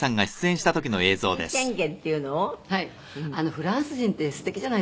「フランス人ってすてきじゃないですか」